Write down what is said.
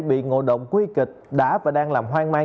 bị ngộ độc quy kịch đã và đang làm hoang mang